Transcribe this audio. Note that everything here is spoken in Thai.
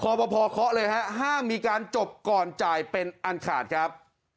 พอพอเคาะเลยฮะห้ามมีการจบก่อนจ่ายเป็นอันขาดครับ